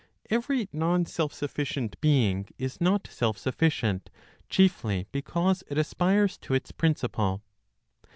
Every non self sufficient being is not self sufficient chiefly because it aspires to its principle.